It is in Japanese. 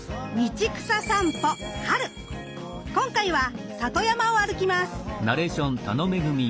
今回は里山を歩きます。